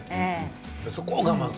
そこを我慢。